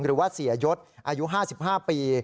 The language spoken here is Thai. หรือว่าเสียยศอายุ๕๕ปี